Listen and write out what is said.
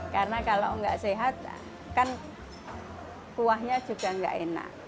karena kalau nggak sehat kan kuahnya juga nggak enak